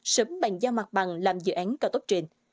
sớm bàn giao mặt bằng làm dự án cao tốc trên